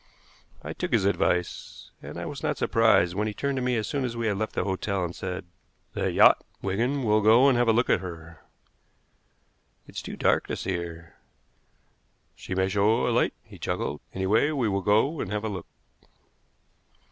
I took his advice, and I was not surprised when he turned to me as soon as we had left the hotel and said: "That yacht, Wigan; we'll go and have a look at her." "It's too dark to see her." "She may show a light," he chuckled. "Anyway, we will go and have a look."